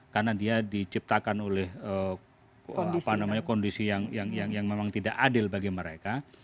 karena dia diciptakan oleh kondisi yang memang tidak adil bagi mereka